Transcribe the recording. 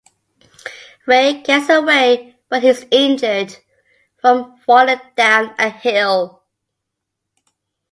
Ray gets away, but he is injured from falling down a hill.